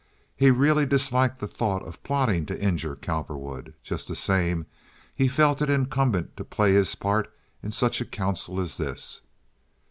He really disliked the thought of plotting to injure Cowperwood. Just the same, he felt it incumbent to play his part in such a council as this.